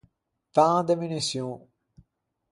Pan de muniçion.